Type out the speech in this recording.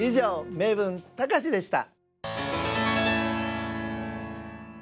「名文たかし」でした。